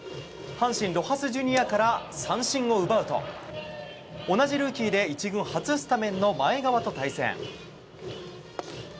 阪神、ロハス・ジュニアから三振を奪うと同じルーキーで１軍初スタメンの前川と対戦。